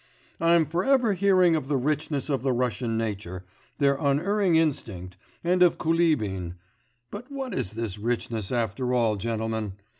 I'm for ever hearing of the richness of the Russian nature, their unerring instinct, and of Kulibin.... But what is this richness, after all, gentlemen?